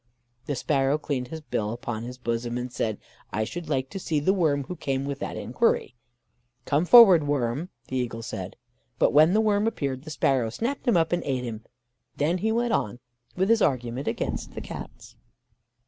"The sparrow cleaned his bill upon his bosom, and said: 'I should like to see the worm who came with that enquiry.' "'Come forward, worm,' the eagle said. But when the worm appeared, the sparrow snapped him up, and ate him. Then he went on with his argument against the Cats."